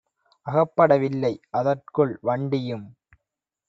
அகப்பட வில்லை; அதற்குள் வண்டியும்